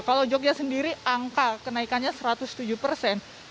kalau jogja sendiri angka kenaikannya satu ratus tujuh persen